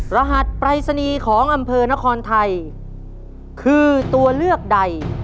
รหัสปรายศนีย์ของอำเภอนครไทยคือตัวเลือกใด